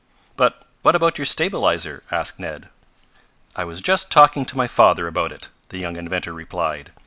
"But what about your stabilizer?" asked Ned. "I was just talking to my father about it," the young inventor replied.